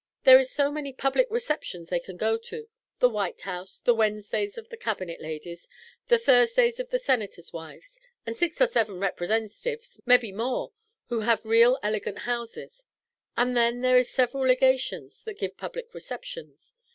There is so many public receptions they can go to The White House, the Wednesdays of the Cabinet ladies, the Thursdays of the Senator's wives, and six or seven Representatives mebbe more who have real elegant houses; and then there is several Legations that give public receptions.